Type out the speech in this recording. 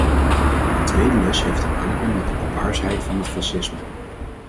De tweede les heeft te maken met de barbaarsheid van het fascisme.